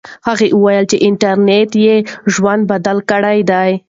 هغه وویل چې انټرنیټ یې ژوند بدل کړی دی.